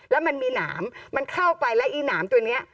แล้วมันมีหนามมันเข้าไปแล้วอีหนามตัวนี้